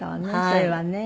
それはね。